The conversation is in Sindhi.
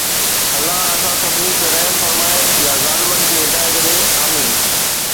الله اسان سڀني تي رحم فرمائي يا ظالمن کي هدايت ڏي، آمين